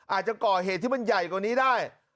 อาจจะก่อเหตุที่มันใหญ่กว่านี้ได้